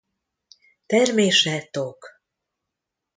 Termése tok.